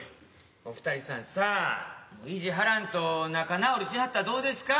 お二人さんさぁ意地張らんと仲直りしはったらどうですか？